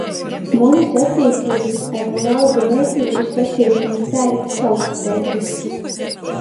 Munys attīceibys ar rauga meikli ir, saceisim tai, sovpateigys.